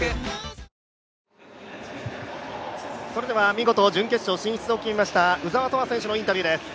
見事準決勝進出を決めました鵜澤飛羽選手のインタビューです。